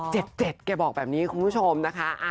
แกบอกแบบนี้คุณผู้ชมนะคะ